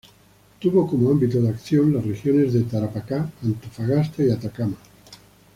Tuvo como ámbito de acción las regiones de Tarapacá, Antofagasta y Atacama.